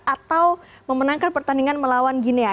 atau memenangkan pertandingan melawan ginia